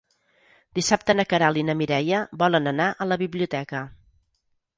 Dissabte na Queralt i na Mireia volen anar a la biblioteca.